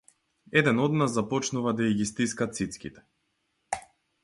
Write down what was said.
Еден од нас започнува да и ги стиска цицките.